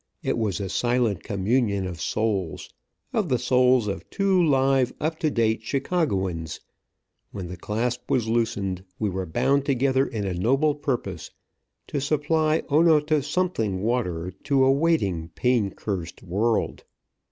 It was a silent communion of souls of the souls of two live, up to date Chicagoans. When the clasp was loosened, we were bound together in a noble purpose to supply O no to something water to a waiting, pain cursed world.